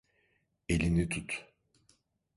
Elini tut.